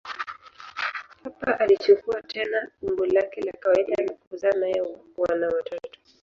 Hapa alichukua tena umbo lake la kawaida na kuzaa naye wana watatu.